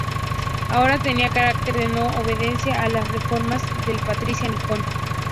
Ahora tenían carácter de no- obediencia a las reformas del Patriarca Nikon.